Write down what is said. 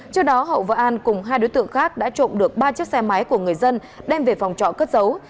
trước đó hậu và an cùng hai đối tượng khác đã trộm được ba chiếc xe máy của người dân đem về phòng trọ cất dấu